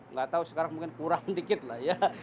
nggak tahu sekarang mungkin kurang dikit lah ya